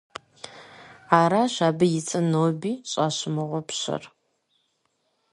Аращ абы и цӏэр ноби щӏащымыгъупщэр.